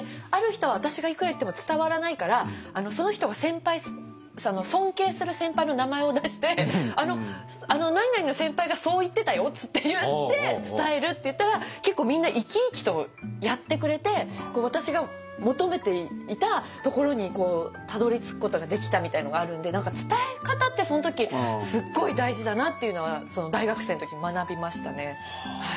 ある人は私がいくら言っても伝わらないからその人が尊敬する先輩の名前を出して「何々の先輩がそう言ってたよ」つって言って伝えるっていったら結構みんな生き生きとやってくれて私が求めていたところにたどりつくことができたみたいなのがあるんで何か伝え方ってその時すっごい大事だなっていうのは大学生の時に学びましたね。